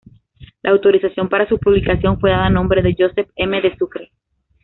La autorización para su publicación fue dada a nombre de Josep M. de Sucre.